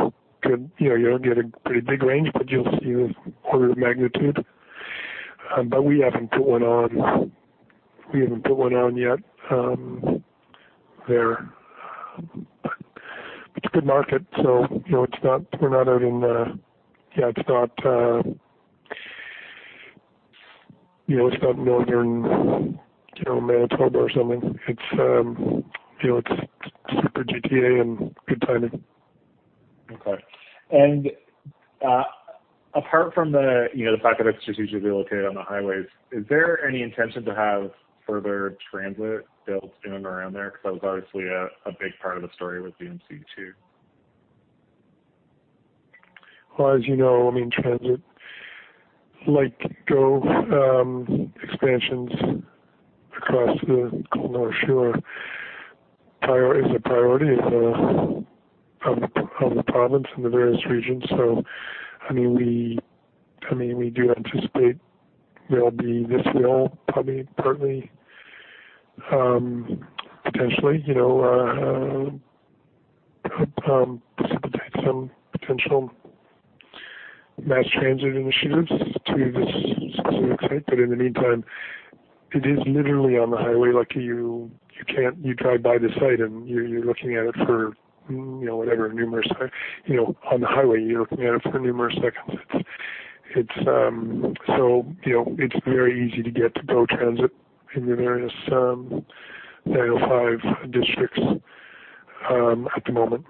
big range, but you'll see order of magnitude. We haven't put one on yet there. It's a good market, so we're not out in northern Manitoba or something. It's super GTA and good timing. Okay. Apart from the fact that it's strategically located on the highways, is there any intention to have further transit built in and around there? That was obviously a big part of the story with VMC too. Well, as you know, transit GO expansions across the Golden Horseshoe is a priority of the province and the various regions. We do anticipate this will probably partly, potentially precipitate some potential mass transit initiatives to this specific site. In the meantime, it is literally on the highway. You drive by the site, and you're looking at it for numerous seconds. It's very easy to get to GO Transit in the various 905 districts at the moment.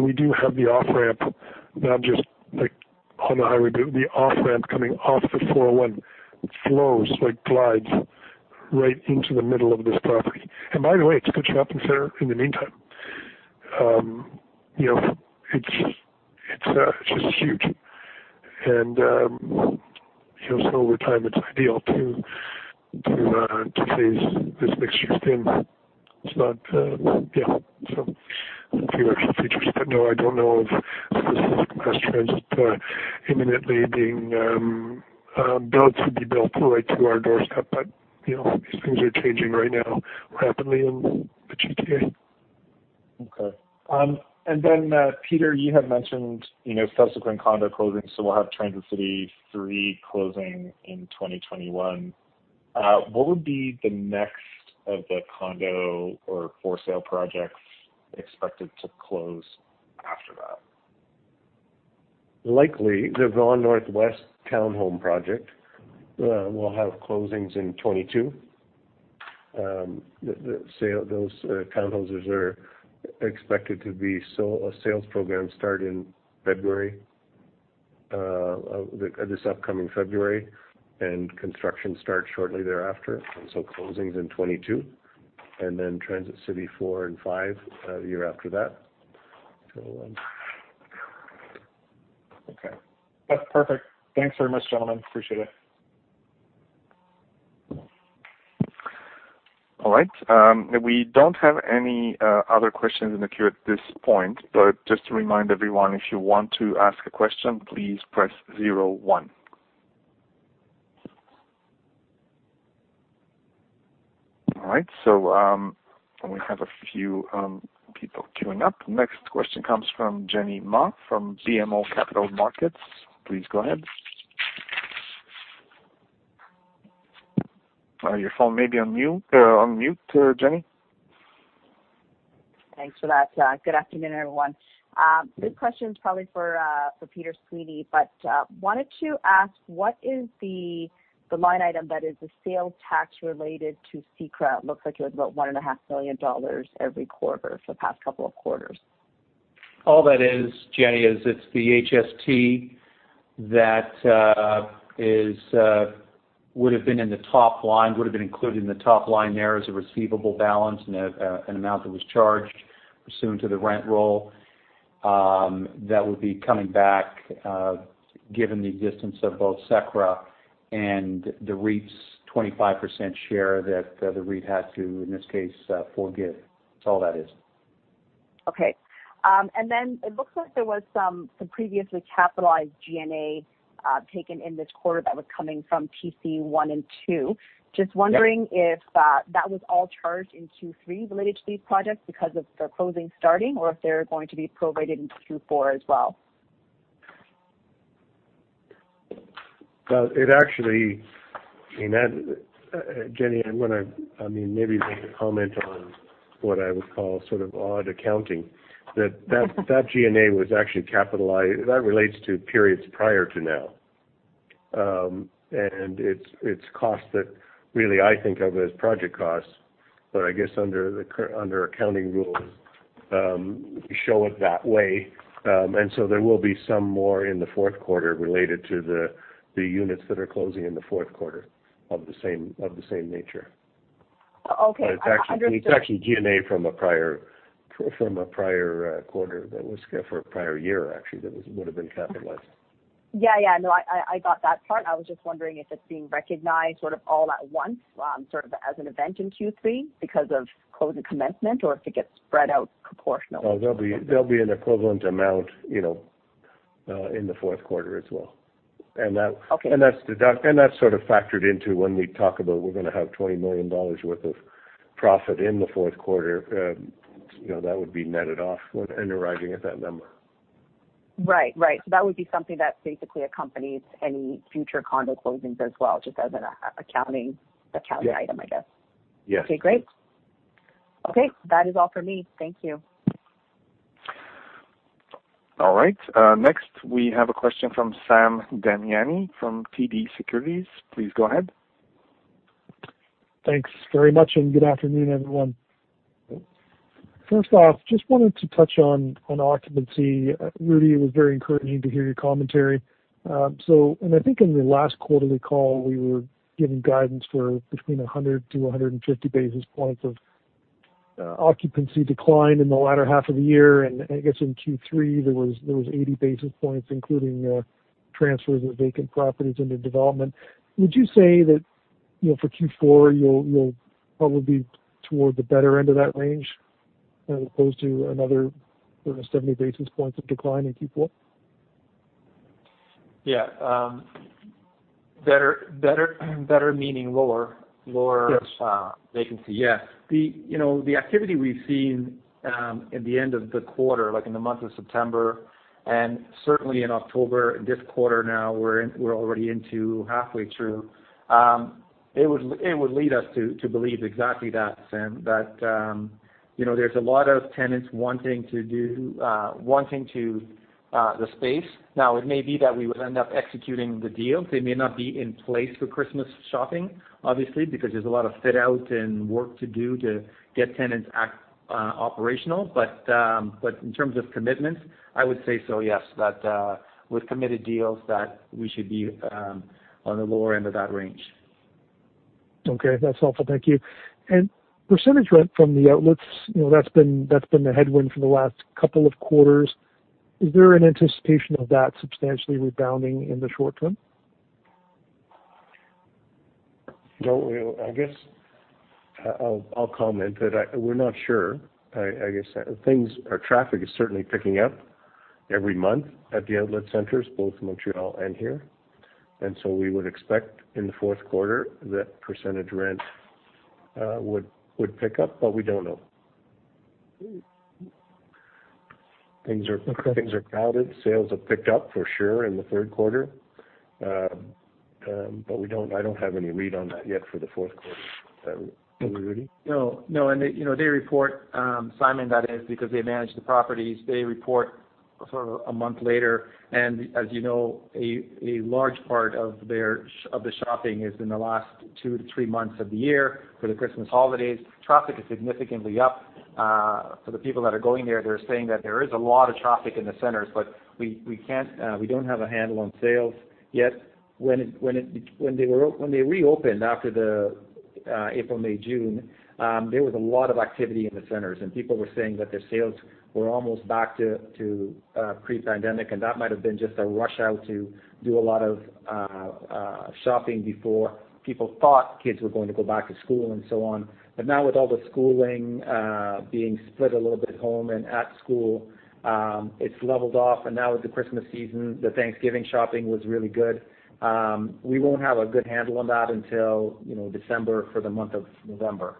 We do have the off-ramp, not just on the highway, but the off-ramp coming off the 401 flows, glides right into the middle of this property. By the way, it's a good shopping center in the meantime. It's just huge. Over time, it's ideal to phase this mixture in. A few extra features. No, I don't know of a specific mass transit imminently being built to be built right to our doorstep. These things are changing right now rapidly in the GTA. Okay. Peter, you had mentioned subsequent condo closings, we'll have Transit City 3 closing in 2021. What would be the next of the condo or for sale projects expected to close after that? Likely the Vaughan Northwest town home project will have closings in 2022. Those townhouses are expected to be a sales program start this upcoming February, and construction starts shortly thereafter. Closings in 2022, and then Transit City 4 and 5 a year after that. Okay. That's perfect. Thanks very much, gentlemen. Appreciate it. All right. We don't have any other questions in the queue at this point, but just to remind everyone, if you want to ask a question, please press zero one. All right, we have a few people queuing up. Next question comes from Jenny Ma from BMO Capital Markets. Please go ahead. Your phone may be on mute, Jenny. Thanks for that. Good afternoon, everyone. This question is probably for Peter Sweeney, but wanted to ask, what is the line item that is the sales tax related to CECRA? It looks like it was about 1.5 million dollars every quarter for the past couple of quarters. All that is, Jenny, is it is the HST that would have been in the top line, would have been included in the top line there as a receivable balance and an amount that was charged pursuant to the rent roll, that would be coming back, given the existence of both CECRA and the REIT's 25% share that the REIT had to, in this case, forgive. That is all that is. Okay. It looks like there was some previously capitalized G&A taken in this quarter that was coming from Transit City 1 and 2. Just wondering if that was all charged in Q3 related to these projects because of their closing starting or if they're going to be prorated into Q4 as well. Well, Jenny, I'm going to maybe make a comment on what I would call sort of odd accounting. That G&A was actually capitalized. That relates to periods prior to now. It's cost that really I think of as project costs, but I guess under accounting rules, show it that way. There will be some more in the fourth quarter related to the units that are closing in the fourth quarter of the same nature. Okay. Understood. It's actually G&A from a prior quarter that was for a prior year, actually, that would've been capitalized. Yeah. No, I got that part. I was just wondering if it's being recognized sort of all at once, sort of as an event in Q3 because of closing commencement, or if it gets spread out proportionally. Well, there'll be an equivalent amount in the fourth quarter as well. Okay. That's sort of factored into when we talk about we're going to have 20 million dollars worth of profit in the fourth quarter. That would be netted off with in arriving at that number. Right. That would be something that basically accompanies any future condo closings as well, just as an accounting item, I guess. Yeah. Okay, great. Okay. That is all for me. Thank you. All right. Next we have a question from Sam Damiani from TD Securities. Please go ahead. Thanks very much, good afternoon, everyone. First off, just wanted to touch on occupancy. Rudy, it was very encouraging to hear your commentary. I think in the last quarterly call, we were given guidance for between 100-150 basis points of occupancy decline in the latter half of the year. I guess in Q3, there was 80 basis points, including transfers of vacant properties into development. Would you say that, for Q4, you'll probably be toward the better end of that range as opposed to another sort of 70 basis points of decline in Q4? Yeah. Better meaning lower. Lower vacancy. Vacancy. Yeah. The activity we've seen at the end of the quarter, like in the month of September and certainly in October, this quarter now we're already into halfway through. It would lead us to believe exactly that, Sam, that there's a lot of tenants wanting the space. It may be that we would end up executing the deals. They may not be in place for Christmas shopping, obviously, because there's a lot of fit out and work to do to get tenants operational. In terms of commitments, I would say so, yes. That with committed deals that we should be on the lower end of that range. Okay. That's all for thank you. Percentage rent from the outlets, that's been the headwind for the last couple of quarters. Is there an anticipation of that substantially rebounding in the short term? Well, I guess I'll comment that we're not sure. I guess our traffic is certainly picking up every month at the outlet centers, both Montreal and here. We would expect in the fourth quarter that percentage rent would pick up, but we don't know. Things are crowded. Sales have picked up for sure in the third quarter. I don't have any read on that yet for the fourth quarter. Over to you, Rudy. No. They report, Sam, that is, because they manage the properties. They report sort of a month later. As you know, a large part of the shopping is in the last two to three months of the year for the Christmas holidays. Traffic is significantly up. For the people that are going there, they're saying that there is a lot of traffic in the centers, but we don't have a handle on sales yet. When they reopened after the April, May, June, there was a lot of activity in the centers, people were saying that their sales were almost back to pre-pandemic, that might have been just a rush out to do a lot of shopping before people thought kids were going to go back to school and so on. Now with all the schooling being split a little bit home and at school, it's leveled off. Now with the Christmas season, the Thanksgiving shopping was really good. We won't have a good handle on that until December for the month of November.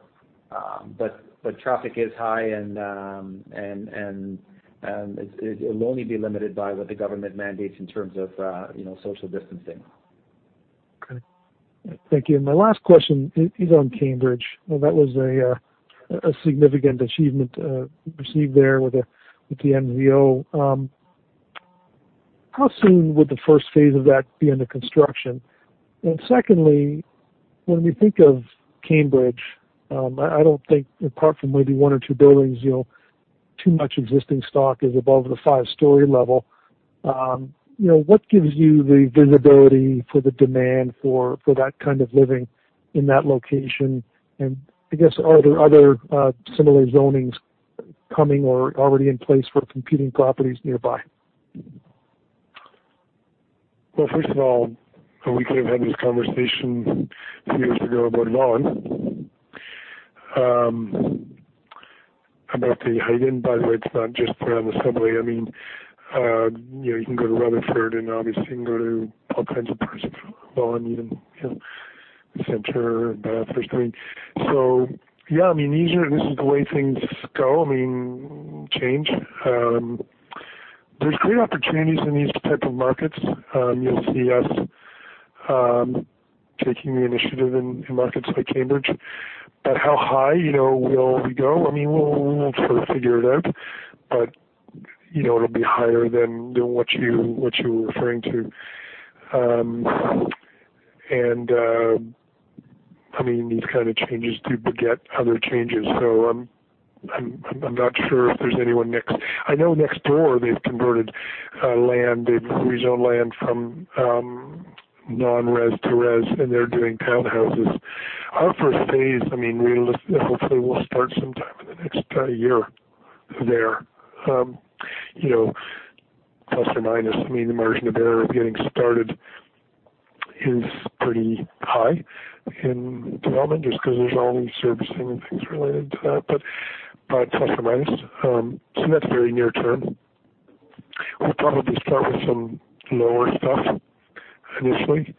Traffic is high and it'll only be limited by what the government mandates in terms of social distancing. Okay. Thank you. My last question is on Cambridge. That was a significant achievement received there with the MZO. How soon would the first phase of that be under construction? Secondly, when we think of Cambridge, I don't think apart from maybe one or two buildings, too much existing stock is above the five-story level. What gives you the visibility for the demand for that kind of living in that location? I guess, are there other similar zonings coming or already in place for competing properties nearby? First of all, we could have had this conversation two years ago about Vaughan. About the height, by the way, it's not just around the subway. You can go to Rutherford and obviously you can go to all kinds of parts of Vaughan, even the center, Bathurst. Yeah, this is the way things go, change. There's great opportunities in these type of markets. You'll see us taking the initiative in markets like Cambridge. How high will we go? We'll sort of figure it out. It'll be higher than what you were referring to. These kind of changes do beget other changes. I'm not sure if there's anyone next. I know next door, they've converted land. They've rezoned land from non-res to res, they're doing townhouses. Our first phase, hopefully will start sometime in the next year there. Plus or minus, the margin of error of getting started is pretty high in development, just because there's all these servicing and things related to that, but plus or minus. That's very near-term. We'll probably start with some lower stuff initially.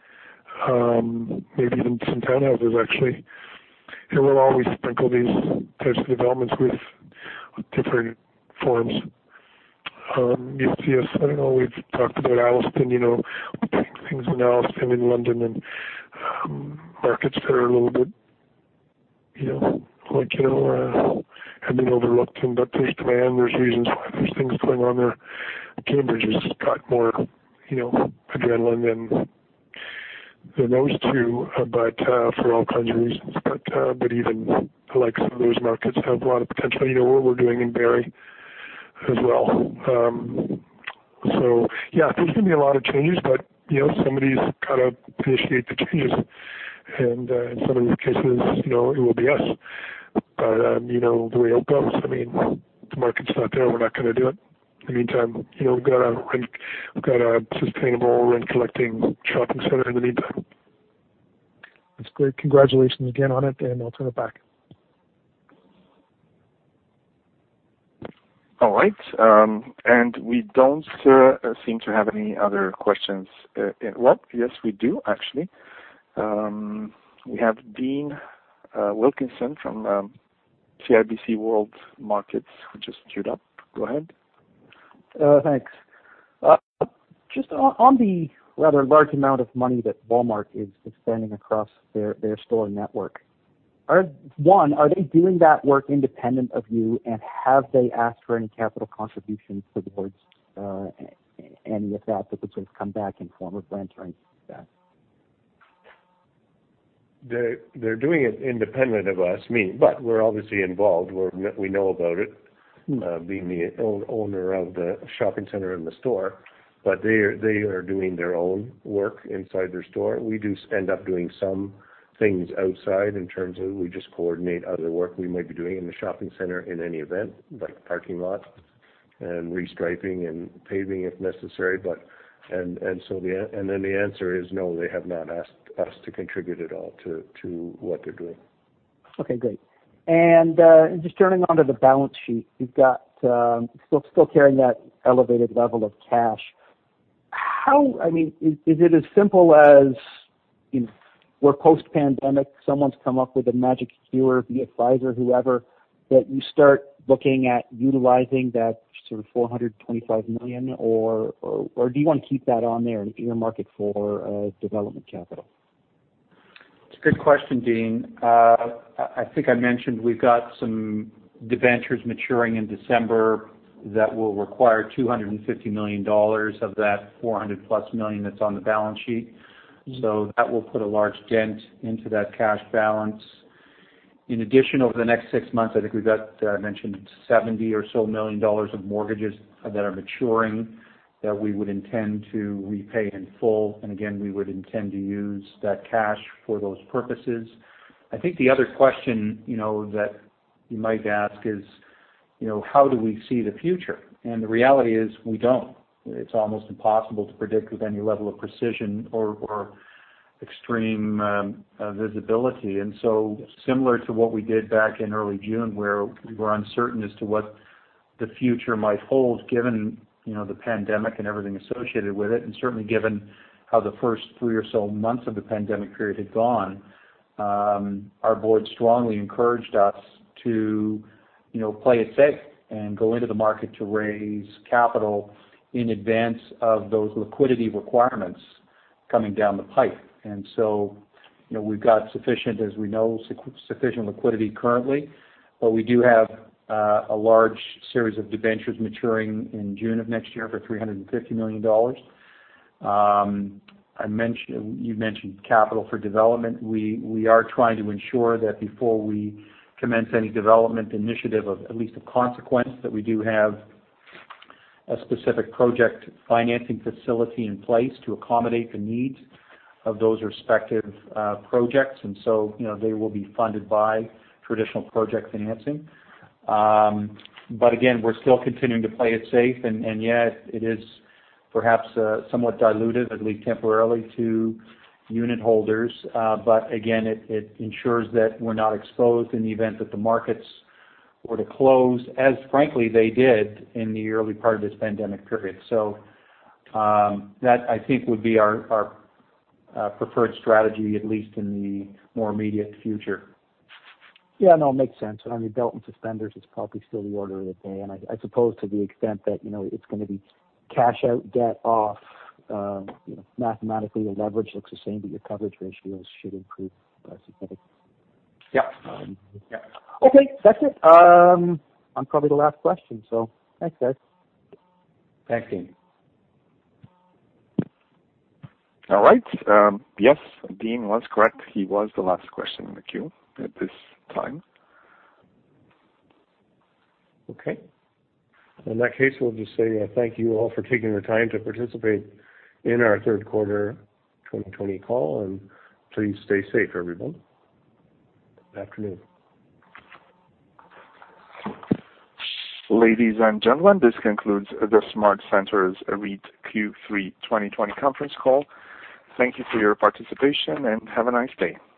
Maybe even some townhouses, actually. We'll always sprinkle these types of developments with different forms. You see us, I know we've talked about Alliston. We've done things in Alliston, in London, and markets that are a little bit had been overlooked, but there's demand, there's reasons why there's things going on there. Cambridge has got more adrenaline than those two, but for all kinds of reasons. Even some of those markets have a lot of potential. What we're doing in Barrie as well. Yeah, there's going to be a lot of change, but somebody's got to initiate the change. In some of these cases, it will be us. The way it goes, the market's not there, we're not going to do it. In the meantime, we've got a sustainable rent-collecting shopping center in the meantime. That's great. Congratulations again on it. I'll turn it back. All right. We don't seem to have any other questions. Well, yes, we do, actually. We have Dean Wilkinson from CIBC World Markets, who just queued up. Go ahead. Thanks. Just on the rather large amount of money that Walmart is expanding across their store network. One, are they doing that work independent of you, and have they asked for any capital contributions towards any of that would sort of come back in form of rent or anything like that? They're doing it independent of us. We're obviously involved. We know about it, being the owner of the shopping center and the store. They are doing their own work inside their store. We do end up doing some things outside in terms of we just coordinate other work we might be doing in the shopping center in any event, like parking lot and re-striping and paving if necessary. The answer is no, they have not asked us to contribute at all to what they're doing. Okay, great. Just turning onto the balance sheet, still carrying that elevated level of cash. Is it as simple as we're post-pandemic, someone's come up with a magic cure, be it Pfizer, whoever, that you start looking at utilizing that sort of 425 million? Do you want to keep that on there in your market for development capital? It's a good question, Dean. I think I mentioned we've got some debentures maturing in December that will require 250 million dollars of that 400 million+ that's on the balance sheet. That will put a large dent into that cash balance. In addition, over the next six months, I think we've got, I mentioned 70 or so million of mortgages that are maturing that we would intend to repay in full. Again, we would intend to use that cash for those purposes. I think the other question that you might ask is how do we see the future? The reality is we don't. It's almost impossible to predict with any level of precision or extreme visibility. Similar to what we did back in early June, where we were uncertain as to what the future might hold given the pandemic and everything associated with it, and certainly given how the first three or so months of the pandemic period had gone. Our board strongly encouraged us to play it safe and go into the market to raise capital in advance of those liquidity requirements coming down the pipe. We've got sufficient as we know, sufficient liquidity currently, but we do have a large series of debentures maturing in June of next year for 350 million dollars. You mentioned capital for development. We are trying to ensure that before we commence any development initiative of at least of consequence, that we do have a specific project financing facility in place to accommodate the needs of those respective projects. They will be funded by traditional project financing. Again, we're still continuing to play it safe, and yet it is perhaps somewhat diluted, at least temporarily to unitholders. Again, it ensures that we're not exposed in the event that the markets were to close, as frankly they did in the early part of this pandemic period. That I think would be our preferred strategy, at least in the more immediate future. Yeah, no, it makes sense. I mean, belt and suspenders is probably still the order of the day. I suppose to the extent that it's going to be cash out, debt off, mathematically your leverage looks the same, but your coverage ratios should improve by significantly. Yep. Okay. That's it. I'm probably the last question, so thanks, guys. Thanks, Dean. All right. Yes, Dean was correct. He was the last question in the queue at this time. Okay. In that case, we'll just say thank you all for taking the time to participate in our third quarter 2020 call. Please stay safe, everyone. Afternoon. Ladies and gentlemen, this concludes the SmartCentres REIT Q3 2020 conference call. Thank you for your participation, and have a nice day.